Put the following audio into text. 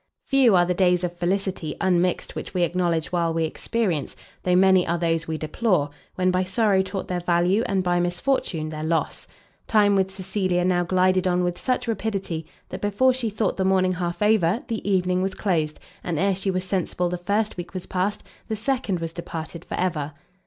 Few are the days of felicity unmixed which we acknowledge while we experience, though many are those we deplore, when by sorrow taught their value, and by misfortune, their loss. Time with Cecilia now glided on with such rapidity, that before she thought the morning half over, the evening was closed, and ere she was sensible the first week was past, the second was departed for ever.